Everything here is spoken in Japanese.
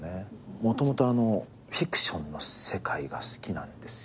もともとフィクションの世界が好きなんですよ。